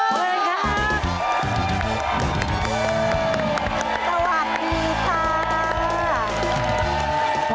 สวัสดีค่ะ